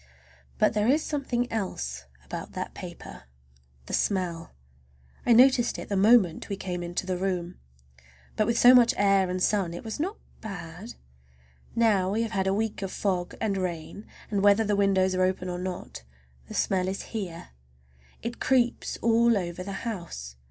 But there is something else about that paper—the smell! I noticed it the moment we came into the room, but with so much air and sun it was not bad. Now we have had a week of fog and rain, and whether the windows are open or not, the smell is here. It creeps all over the house.